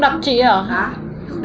à cho cháu xem